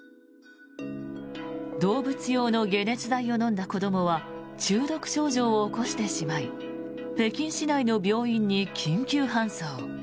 動物用の解熱剤を飲んだ子どもは中毒症状を起こしてしまい北京市内の病院に緊急搬送。